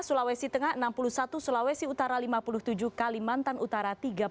sulawesi tengah enam puluh satu sulawesi utara lima puluh tujuh kalimantan utara